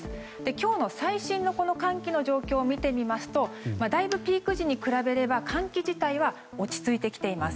今日の最新の寒気の状況を見てみますとだいぶピーク時に比べれば寒気自体は落ち着いてきています。